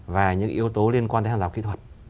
và những yếu tố liên quan đến hàng rào kỹ thuật